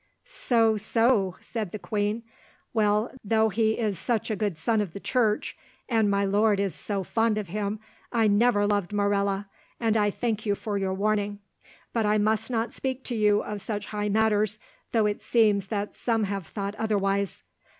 "So, so," said the queen. "Well, though he is such a good son of the Church, and my lord is so fond of him, I never loved Morella, and I thank you for your warning. But I must not speak to you of such high matters, though it seems that some have thought otherwise.